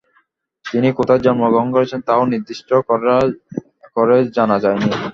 তিনি কোথায় জন্মগ্রহণ করেছেন তা ও নির্দিষ্ট করে জানা যায়নি।